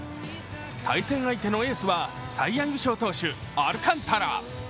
対戦相手のエースは、サイ・ヤング賞投手、アルカンタラ。